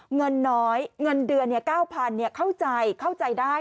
เงินน้อยเงินเดือน๙๐๐เข้าใจเข้าใจได้